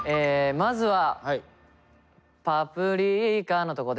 まずは「パプリカ」のとこで。